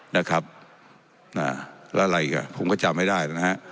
แล้วอะไรอีกผมก็จำไม่ได้